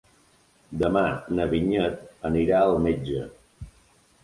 Demà na Vinyet anirà al metge.